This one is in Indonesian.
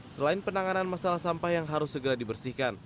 selain penanganan masalah sampah yang harus segera dibersihkan